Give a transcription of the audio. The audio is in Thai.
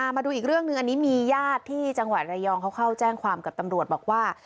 มาดูอีกเรื่องหนึ่งอันนี้มีญาติที่จังหวัดระยองเขาเข้าแจ้งความกับตำรวจบอกว่า